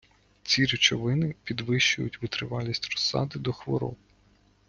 Ці речовини підвищують витривалість розсади до хвороб.